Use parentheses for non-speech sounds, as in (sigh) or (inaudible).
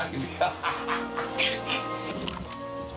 ハハハ (laughs)